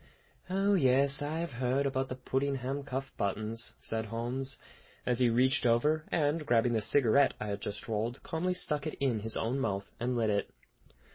"Oh, yes; I have heard about the Puddingham cuff buttons," said Holmes, as he reached over, and grabbing the cigarette I had just rolled, calmly stuck it in his own mouth, and lit it.